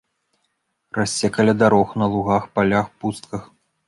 Расце каля дарог, на лугах, палях, пустках.